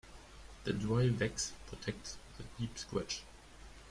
The dry wax protects the deep scratch.